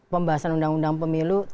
pembahasan undang undang pemilu